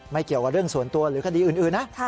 เกี่ยวกับเรื่องส่วนตัวหรือคดีอื่นนะ